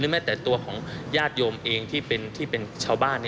แม้แต่ตัวของญาติโยมเองที่เป็นชาวบ้าน